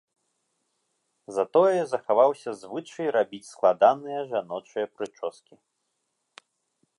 Затое захаваўся звычай рабіць складаныя жаночыя прычоскі.